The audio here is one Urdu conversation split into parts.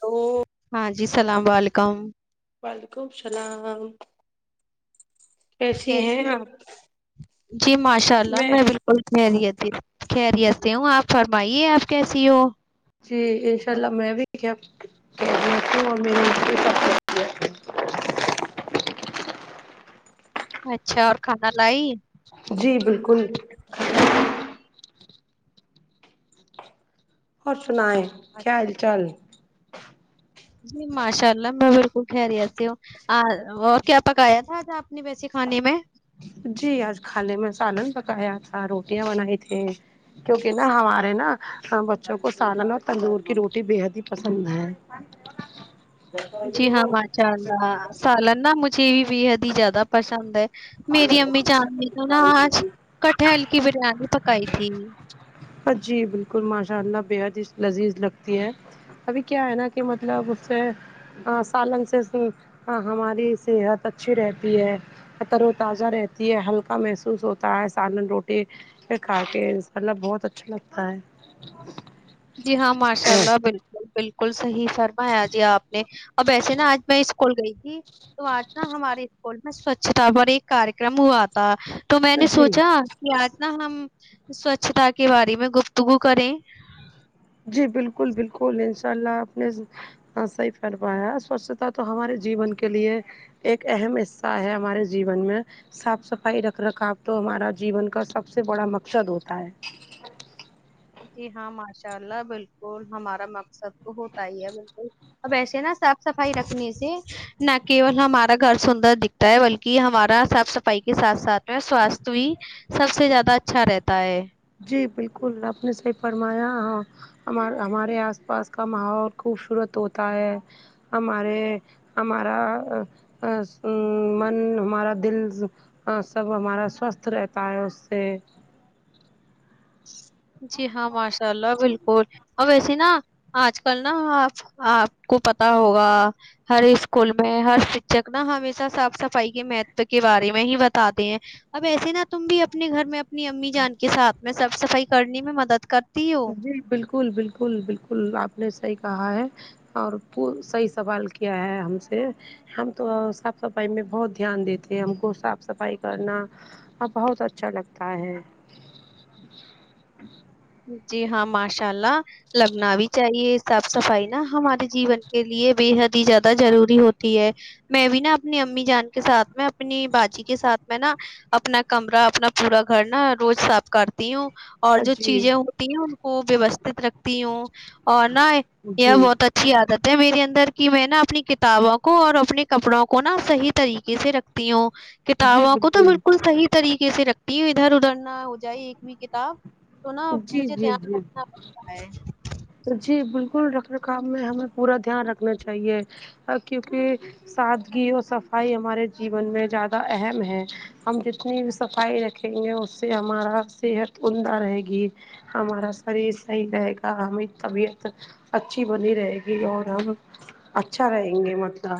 تو ہاں جی اسلام وعلیکم وعلیکم السلام کیسی ہیں ہو آپ جی ماشاء اللہ میں بالکل خیریت پھر خیریت سے ہوں آپ فرمائیے آپ کیسی ہو جی انشاء اللہ میں بھی خیریت [inaudible] اور اچھا اور کھانا لائی جی بالکل اور سنیں کیا اچھا حال چال جی ماشاء اللہ میں بالکل خیریت سے ہو آ اور کیا پکایا تھا آپ نے ویسے کھانے میں جی آج کھانے میں سالن پکایا تھا روٹیاں بنائی تھے کیونکہ نا ہمارے نا بچوں کو سالن اور تندور کی روٹی بےحد ہی پسند ہے جی ہاں ماں چاننا سالن نہا مجھے بھی بے حد ہی زیادہ پسند ہے میری امی چان نے تو نا آج کٹہل کی بریانی پکائی تھی جی بالکل ماشاء اللہ بےحد ہی لذیذ لگتی ہے ابھی کیا ہے نا کہ مطلب اس سے ہاں سالن سے ہماری صحت اچھی رہتی ہے طر و تازہ رہتی ہے ہلکا محسوس ہوتا ہے سالن روٹی کہا کہ کے مطلب بہت اچھا لگتا ہے جی ہاں ماشاء اللہ بالکل بالکل صحیح فرمایا جی آپ نے اب ایسے نا آج میں اسکول گئی تھی تو آج نا ہمارے اسکول میں سوچھتا پر ایک کارکرم ہوا تھا تو میں نے جی سوچا کہ آج نا ہم سوچھتا کے بارے میں گفتگو کریں جی بالکل بالکل انشاء اللہ اپ نے ہا ساہی فرمایا سوچھتا تو ہمارے جیون کے لیے ایک اہم حصہ ہے ہمارے جیون میں صاف صفائی رکھ رکھاؤ تو ہمارا جیون کا سب سے بڑا مقصد ہوتا ہے جی ہاں ماشاء اللہ بالکل ہمارا مقصد تو ہوتا ہی ہے بالکل اب ایسے نا صاف صفائی رکھنے سے نہ کیول ہمارا گھر سندر دکھتا ہے بلکہ ہمارا صاف صفائی کے ساتھ ساتھ میں سواستھ بھی سب سے زیادہ اچھا رہتا ہے جی بالکل آپ نے صحیح فرمایا ہاں ہمار ہمارے آس پاس کا ماحول خوبصورت ہوتا ہے ہمارے ہمارا من ہمارا دل ہاں سب ہمارا سوستھ رہتا ہے اس سے جی ہاں ماشاء اللہ بالکل اور ویسیے نا آج کل نا آپ آپ کو پتا ہوگا ہر اسکول میں ہر شکھک نا ہمیشہ صاف صفائی کے مہتو کے بارے میں ہی بتاتے ہیں اب ایسے نہا تم بھی اپنے گھر میں اپنی امی جان کے سھ میں صف صفائی کرنے میں مدد کر جی بالکل بالکل بالکل آپ نے صحیح کہا ہے اور پ صحیح سوال کیا ہے ہم سے ہم تو صاف صفائی میں بہت دھیان دیتے ہیں ہم کو صاف صفائی کرنا اب بہت اچھا لگتا ہے جی ہاں ماشاء اللہ لگنا بھی چاہیے صاف صفائی نا ہمارے جیون کے لیے بے حد ہی زیادہ ضروری ہوتی ہے میں بھی نا اپنی امی جان کے ساتھ میں اپنی باجی کے ساتھ میں نا اپنا کمرہ اپنا پورا گھر نا روز صاف کرتی ہوں اور جو جی چیزیں ہوتی ان کو ووستھت رکھتی ہوں اور نہا یہ جی بہت اچا اچھی عادت ہے میرے اندر کہ میں نا اپنی کتابوں کو اور اپنے کپڑوں کو نا صحیح طریقے سے رکھ تی ہ کتابوں کو تو بالکل صحیح طریقے سے رکھتی ہ ادھر ادھر نہ ہو جائے ایک بھی کتاب تو نا جی مجھے جی دھیان جی رکھنا پڑتا ہے جی بالکل رکھ رکھم میں ہمیں پورا دھیان رکھنا چاہیے کیونکہ سادگی اور صفائی ہمارے جیون میں زیادہ اہم ہے ہم جتنی بھی صفائی رکھیں گے اس سے ہمارا صحت عمدہ رہے گی ہمارا شریر صحیح رہے گا ہمیں طبیعت اچھی بنی رہے گی اور ہم اچھا رہیں گے مطلب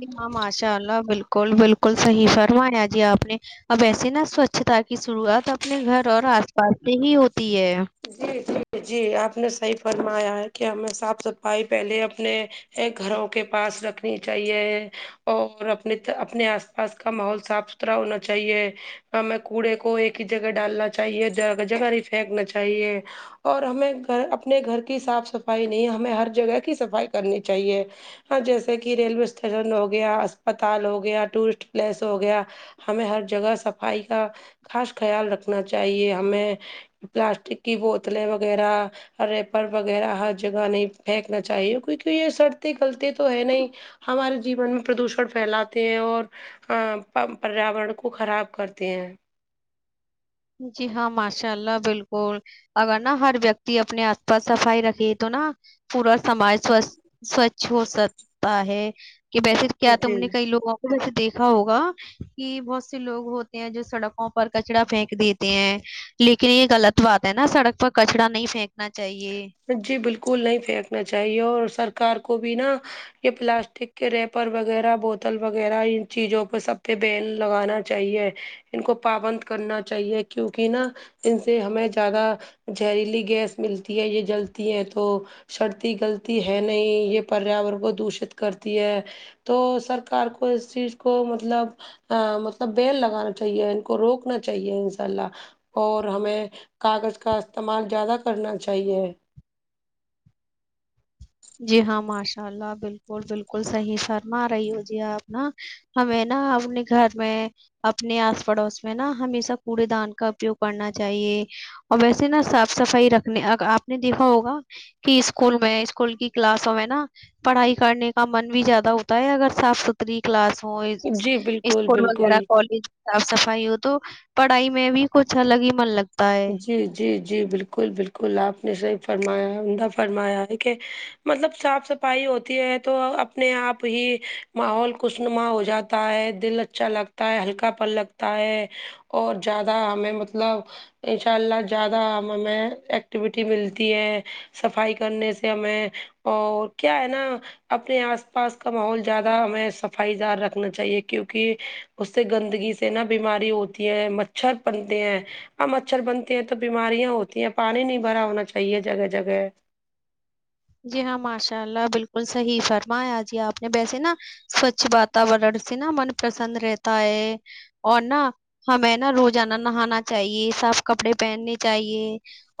جی ہاں ماشاء اللہ بالکل بالکل صحی فرماانیا جی آپ نے اب ایسے نا سوچھتا کی شروعات اپنے گھر اور آس پاس سے ہی ہوتی ہے جی جی جی آپ نے صحیح فرمایا ہے کہ ہمیں صاف صفائی پہلے اپنے گھروں کے پاس رکھنی چاہیے اور اپنے اپنے آس پاس کا ماحول صاف ترا ہونا چاہیے ہمیں کوڑے کو ایک ہی جگہ ڈالنا چاہیے جگہ ہی پھینکنا چاہیے ساہی ہے اور ہمیں گھر اپنے گھر کی صاف صفائی نہیں ہمیں ہر جگہ کی صفائی کرنی چاہیے ہاں جیسے کہ ریلوے اسٹیشن ہو گیا اسپتال ہو گیا ٹورسٹ پلیس ہو گیا ہمیں ہر جگہ صفائی کا خاص خیال رکھنا چاہیے ہمیں پلاسٹک کی بوتلیں وغیرہ ریپر وغیرہ ہر جگہ نہیں پھینکنا چاہیے کیونکہ یہ سرطیں غلتے تو ہے نہیں ہمارے جیون میں پردوشن پھیلاتے ہیں اور ا پریاورن کو خراب کرتے ہیں جی ہاں ماشاء اللہ بالکل اگر نا ہر ویکتی اپنے آس پاس صفائی رکھے تو نا پورا سماج سوھ سوچھ ہو سکتا ہے کہ بیسے کیا تم جی نے کئی لوگوں جیسے دیکھا ہوگا کہ بہت سے لوگ ہوتے ہیں جو سڑکوں پر کچرا پھینک دیتے ہیں لیکن یہ غلط بات ہے نا سڑک پر کچڑا نہیں پھینکنا چاہیے جی بلکل نہیں پھینکنا چاہیے اور سرکار کو بھی نا یہ پلاسٹک کے ریپر وغیرہ بوتل وغیرہ ان چیزوں پر سب پہ بیین لگانا چاہیے ان کو پابند کرنا چاہیے کیونکہ نا ان سے ہمیں زیادہ زہریلی گیس ملتی ہے یہ جلتی ہیں تو سرتی گلتی ہے نہیں یہ پریاورن کو دوشت کرتی ہے تو سرکار کو اس چیز کو مطلب ا مطلب بیل لگانا چاہیے ان کو روکنا چاہیے ان شاء اللہ اور ہمیں کاغذ کا استعمال زیادہ کرنا چاہیے جی ہاں ماشاء اللہ بلکل بلکل صحیح شرما رہی ہو جی آپ نا ہمیں نا اپنے گھر میں اپنے آس پڑوس میں نا ہمیشہ کوڑے دان کا اپیوگ کرنا چاہیے اور ویسے نا صاف صفائی رکھنے ا آپ نے دیکھا ہوگا کہ اسکول میں اسکول کی کلاسوں میں نا پڑھائی کرنے کا من بھی زیادہ ہوتا ہے اگر صاف ستھرا تھری کلاس ہو جی بالکل اسکول بالکل وغیرہ کالج صاف صفائی ہو تو پڑھائی میں بھی کچھ الگ ہی من لگتا ہے جی جی جی بلکل بلکل آپ نے صحی فرمایا ان فرمایا ہے کہ مطلب صاف صفائی ہوتی ہے تو اپنے آپ ہی ماحول خوشنما ہو جاتا ہے دل اا اچھا لگتا ہے ہلکا پل لگتا ہے اور زیادہ ہمیں مطلب ان شاء اللہ زیادہ ہمیں ایکٹیویٹی ملتی ہے صفائی کرنے سے ہمیں اور کیا ہے نا اپنے آس پاس کا ماحول زیادہ ہمیں صفائی دار رکھنا چاہیے کیونکہ اس سے گندگی سے نا بیماری ہوتی ہے مچھر پنتے ہیں ا مچھر بنتے ہیں تو بیماریاں ہوتی ہیں پانی نہیں بھرا ہونا چاہیے جگہ جگہ جی ہاں ماشاء اللہ بلکل صحیح فرمایا جی آپ نے ویسے نا سوچھ واتورن سے نا من پرسن رہتا ہے اور نہ ہمیں نا روزانہ نہانا چاہیے صاف کپڑے پہننے چاہیے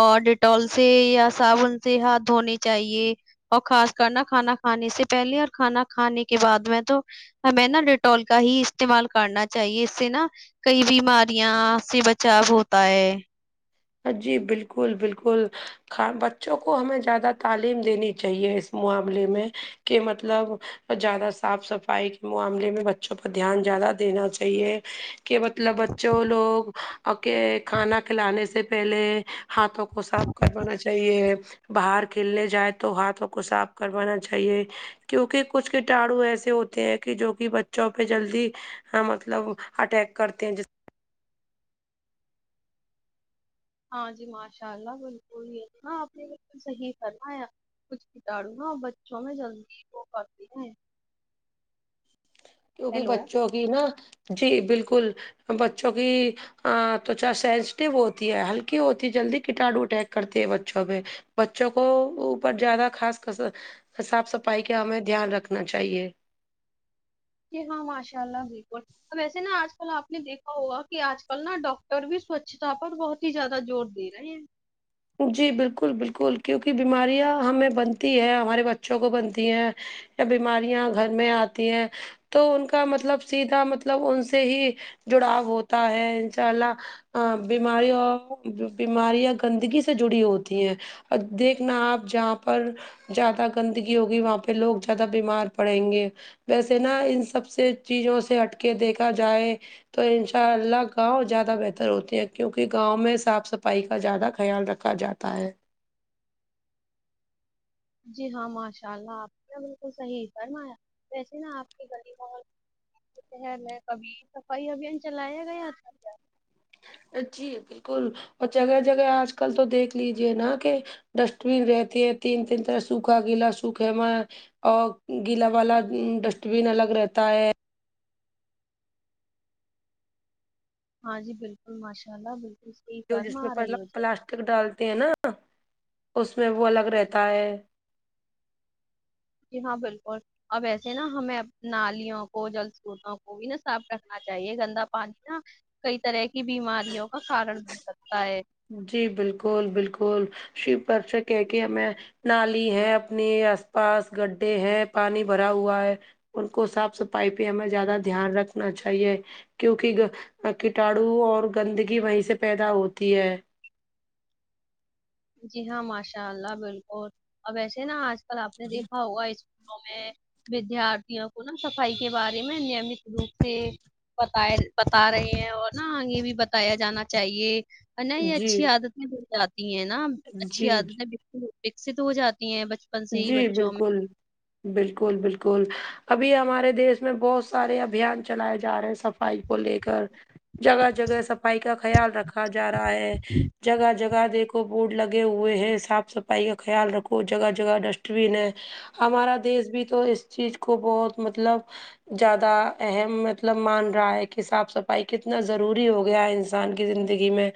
اور ڈیٹال سے یا صابن سے ہاتھ دھونے چاہیے اور خاص کر نہ کھانا کھانے سے پہلے اور کھانا کھانے کے بعد میں تو ہمیں نا ڈیٹول کا ہی استعمال کرنا چاہیے اس سے نا کئی بیماریاں سے بچاؤ ہوتا ہے جی بلکل بلکل بچوں کو ہمیں زیادہ تعلیم دینی چاہیے اس معاملے میں کہ مطلب زیادہ صاف صفائی کے معاملے میں ب بچوں پر دھیان زیادہ دینا چاہیے کہ مطلب بچوں لوگ اک کھانا کھلانے سے پہلے ہاتھوں کو صاف کروانا چاہیے باہر کھیلنے جائے تو ہاتھوں کو صاف کروانا چاہیے کیونکہ کچھ کٹاڑو ایسے ہوتے ہیں کہ جو کہ بچوں پہ جلدی مطلب اٹیک کرتے ہیں جس ہاں جی ماشاء اللہ بلکل ہاں آپ نے بلکل صحیح فرما یا آپ نے کچھ کتانوں بچوں میں جلدی ہو پاتے ہیں کیونکہ بچوں کی نا جی بلکل بچوں کی تو چ سینسٹیو ہوتی ہے ہلکی ہوتی جلدی کٹاڑو اٹیک کرتی ہے بچوں پہ بچوں کو اوپر زیادہ خاص صاف صفائی کا ہمیں دھیان رکھنا چاہیے جی ہاں ماشاء اللہ بلکل اب ویسے نا آج کل آپ نے دیکھا ہوا کہ آج کل نا ڈاکٹر بھی سوچھتا پر بہت زیادہ زور دے رہے ہیں جی بلکل بلکل کیونکہ بیماریاں ہمیں بنتی ہیں ہمارے بچوں کو بنتی ہیں بیماریاں گھر میں آتی ہیں تو ان کا مطلب سیدھا مطلب ان سے ہی جڑاؤ ہوتا ہے انشاء اللہ ہاں بیماری اور بیماریاں گندگی سے جڑی ہوتی ہیں اور دیکھنا آپ جہاں پر جیادہ گندگی ہوگی وہاں پہ لوگ جیادہ بیمار پڑیں گے ویسے نا ان سب سے چیزوں سے ہٹ کے دیکھا جائے تو ان شاء اللہ گاؤں جیادہ بہتر ہوتے ہیں کیونکہ گاؤں میں صاف صفائی کا جیادہ خیال رکھ ا جاتا ہے جی ہاں ماشاء اللہ آپ نے بالکل صحیح فرمایا ویسے نا آپ کی گلی بہت شہر میں کبھی صفائی ابھیان چلایا گیا تھا ا جی بالکل اور جگہ جگہ آج کل تو دیکھ لیجیے نا کہ ڈسٹ بین رہتی ہیں تین تین طرح سوکھا گیلا سوکھے میں اور گیلا والا ڈسٹ بن الگ رہتا ہے ہاں جی بالکل ماشاء اللہ بالکل صحیح فرما رہی ہو جی تک ڈالتے ہیں نا اس میں وہ الگ رہتا ہے جی ہاں بالکل اب ویسے نا ہمیں نالیوں کو جل سروتوں کو بھی نا صاف رکھنا چاہیے گندا پانی نا کئی طرح کی بیماریوں کا کارن بن سکتا ہے جی بالکل بالکل [unintelligible] شیو پررشا [unintelligible] کہ کے میں نالی ہے اپنے آس پاس گڈھے ہیں پانی بھرا ہوا ہے ان کو صاف صفائی پہ ہمیں زیادہ دھیان رکھنا چاہیے کیونکہ کٹاڑو اور گندگی وہیں سے پیدا ہوتی ہے جی ہاں ماشاء اللہ بالکل اب وسے نا آج کل آپ نے دیکھا ہو اس میں ودیارتھیوں کو نا صفائی کے بارے میں نیمت روپ سے بتائے بتا رہے ہیں اور نا یہ بھی بتایا جانا چاہیے نا یہ جی اچھی عادتیں بن جاتی ہیں نا اچھی جی عادتیں بالکل وکست ہو جاتی ہیں ب جی بالکل بالکل بالکل ابھی ہمارے دیش میں بہت سارے ابھیان چلائے جا رہے ہیں صفائی کو لے کر جگہ جگہ صفائی کا خیال رکھا جا رہا ہے جگہ جگہ دیکھو بورڈ لگے ہوئے ہیں صاف صفائی کا خیال رکھو جگہ جگہ ڈسٹ بین ہے ہمارا دیس بھی تو اس چیز کو بہت مطلب جیادہ اہم مطلب مان رہا ہے کہ صاف صفائی کتنا ضروری ہو گیا ہے انسان کی زندگی میں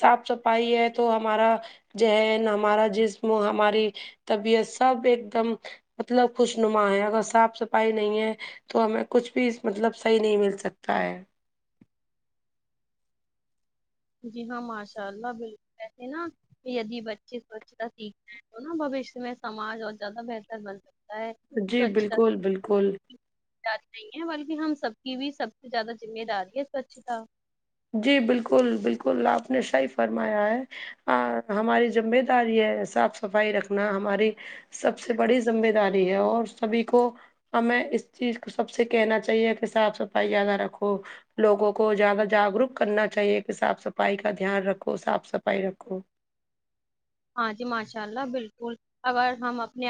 صاف صفائی ہے تو ہمارا جہن ہمارا جسم ہماری طبیعت سب ایک دم مطلب خوش نما ہے اگر صاف صفائی نہیں ہے تو ہمیں کچھ بھی مطلب صحیح نہیں مل سکتا ہے جی ہاں ماشاء اللہ بالکل ایسے نا یدی بچے سوچھتا سیکھتے ہیں تو نا بھووشیہ میں سماج اور زیادہ بہتر بن سکتا ہے جی بالکل بالکل اری نہیں ہے [unintelligible] بلکہ ہم سب کی بھی سب سے زیادہ ذمہ داری ہے سوچھتا جی بالکل بالکل آپ نے صحیح فرمایا ہے ا ہماری ذمہ داری ہے صاف صفائی رکھنا ہماری سب سے بڑی ذمہ داری ہے اور سبھی کو ہمیں اس چیز کو سب سے کہنا چاہیے کہ صاف صفائی زیادہ رکھو لوگوں کو زیادہ جاگروک کرنا چاہیے کہ صاف صفائی کا دھیان رکھو صاف صفائی رکھو ہاں جی ماشاء اللہ بالکل اگر ہم اپنے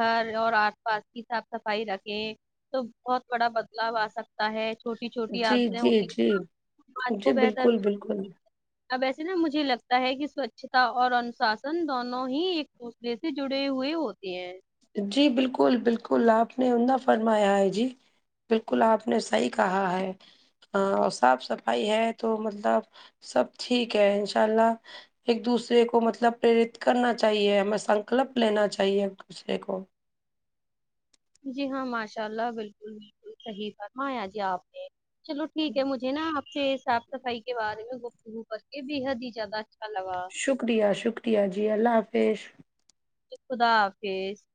گھر اور آس پاس کی صاف صفائی رکھیں تو بہت بڑا بدلاؤ آ سکتا ہے چھوٹی چھوٹی جی عادتیں جی ہوتی جی ہیں نا آج کو جی بہتر بالکل بالکل اب ایسے نا مجھے لگتا ہے کہ ساچواتا اور انوشاسان ان دونو ھی ایک دوسرے سے جڑے ہوۓ ہوتے ہے جی بالکل بالکل آپ نے انہ فرمایا ہے جی بالکل آپ نے صحی کہا ہے صاف صفائی ہے تو مطلب سب ٹھیک ہے انشاء اللہ ایک دوسرے کو مطلب پیرت کرنا چاہیے ہمیں سنکلپ لینا چاہیے ایک دوسرے کو جی ہاں ماشاء اللہ بالکل بالکل صحیح فرمایا جی آپ نے چلو ٹھیک ہے مجھے ج نا آپ سے صاف صفائی کے بارے میں گفتگو کرکے بیحد ھی زیادہ اچھا لگا مجھے شکریہ شکریہ جی اللہ حافظ خدا حافظ